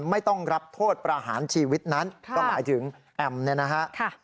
ไม่ต้องรับโทษประหารชีวิตนั้นก็หมายถึงแอมเนี่ยนะฮะ